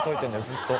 ずっと。